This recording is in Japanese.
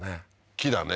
木だね